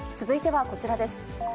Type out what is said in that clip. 続いてはこちらです。